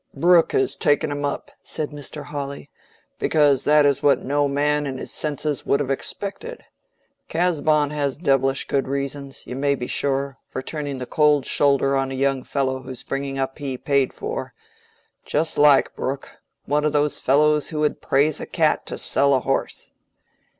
"Brooke has taken him up," said Mr. Hawley, "because that is what no man in his senses could have expected. Casaubon has devilish good reasons, you may be sure, for turning the cold shoulder on a young fellow whose bringing up he paid for. Just like Brooke—one of those fellows who would praise a cat to sell a horse."